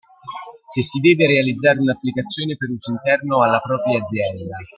Se si deve realizzare un'applicazione per uso interno alla propria azienda.